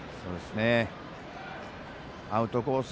アウトコース